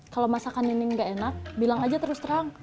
kalau masakan ini nggak enak bilang aja terus terang